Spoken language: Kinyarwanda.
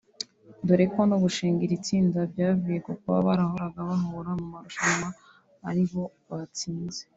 dore ko no mu gushinga iri tsinda byavuye ku kuba barahoraga bahura mu marushanwa ari bo batsinze